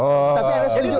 tapi anda setuju